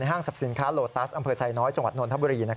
ในห้างศัพท์สินค้าโลตัสอำเภอสายน้อยจังหวัดนนท์ธับบุรี